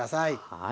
はい。